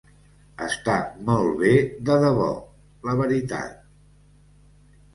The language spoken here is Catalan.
Està molt bé de debò, la veritat.